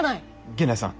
源内さん。